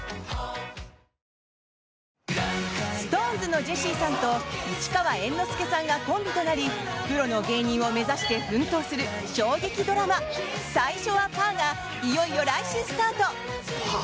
ＳｉｘＴＯＮＥＳのジェシーさんと市川猿之助さんがコンビとなりプロの芸人を目指して奮闘する笑劇ドラマ、「最初はパー」がいよいよ来週スタート！